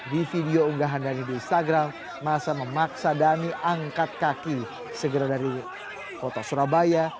di video unggahan dhani di instagram masa memaksa dhani angkat kaki segera dari kota surabaya